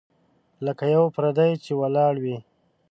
لکه یو پردی چي ولاړ وي .